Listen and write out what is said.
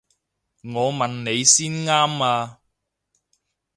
我問你先啱啊！